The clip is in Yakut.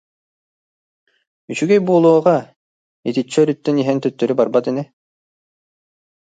Үчүгэй буолуоҕа, итиччэ өрүттэн иһэн төттөрү барбат ини